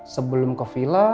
sebelum ke vila